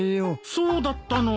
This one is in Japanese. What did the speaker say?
そうだったの！